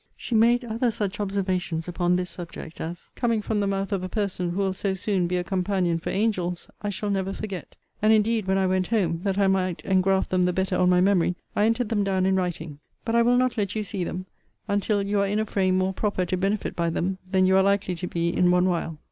She made other such observations upon this subject as, coming from the mouth of a person who will so soon be a companion for angels, I shall never forget. And indeed, when I went home, that I might engraft them the better on my memory, I entered them down in writing: but I will not let you see them until you are in a frame more proper to benefit by them than you are likely to be in one while.